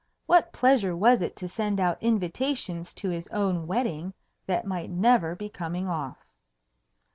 What pleasure was it to send out invitations to his own wedding that might never be coming off?